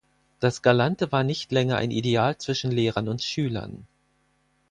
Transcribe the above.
Das Galante war nicht länger ein Ideal zwischen Lehrern und Schülern.